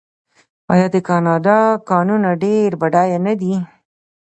آیا د کاناډا کانونه ډیر بډایه نه دي؟